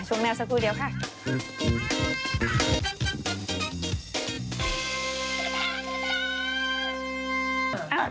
ชมแนวสักครู่เดี๋ยวค่ะ